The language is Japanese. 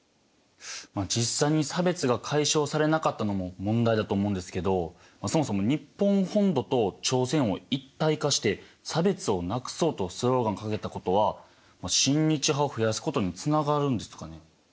実際に差別が解消されなかったのも問題だと思うんですけどそもそも日本本土と朝鮮を一体化して差別をなくそうとスローガンを掲げたことは親日派を増やすことにつながるんですかね？